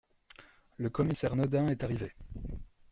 Le commissaire Naudin est arrivé.